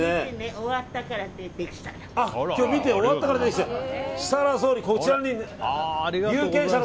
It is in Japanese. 終わったから出てきたの。